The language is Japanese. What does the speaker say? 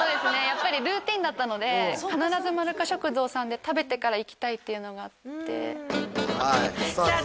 やっぱりルーティンだったので必ずまるか食堂さんで食べてから行きたいっていうのがあってはいさあ